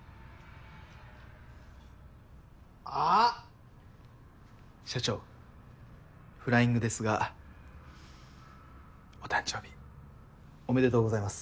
あっ！社長フライングですがお誕生日おめでとうございます。